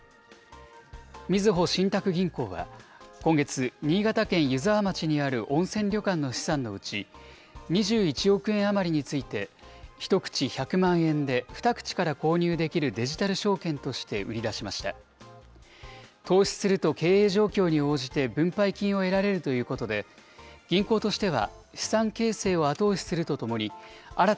みずほ信託銀行は、今月、新潟県湯沢町にある温泉旅館の資産のうち、２１億円余りについて、１口１００万円で２口から購入できるデジタル証券として売り出しました。